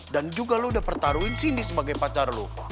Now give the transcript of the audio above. dan juga lo udah pertaruhin cindy sebagai pacar lo